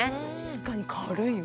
確かに軽いわ。